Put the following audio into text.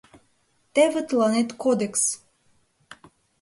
Теве тыланет кодекс!